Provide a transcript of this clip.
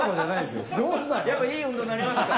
やっぱいい運動になりますか？